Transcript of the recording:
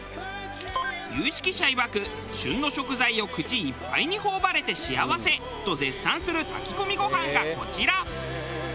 有識者いわく「旬の食材を口いっぱいに頬張れて幸せ」と絶賛する炊き込みご飯がこちら。